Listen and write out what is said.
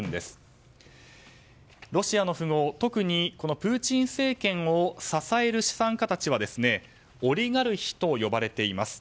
特にプーチン政権を支える資産家たちはオリガルヒと呼ばれています。